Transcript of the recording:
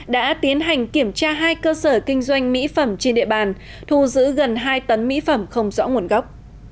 đã tiến hành kiểm tra hai cơ sở kinh doanh mỹ phẩm trên địa bàn thu giữ gần hai tấn mỹ phẩm không rõ nguồn gốc